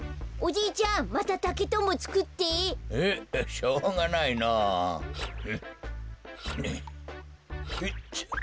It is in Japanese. しょうがないのぉ。